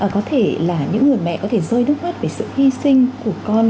có thể là những người mẹ có thể rơi nước mắt về sự hy sinh của con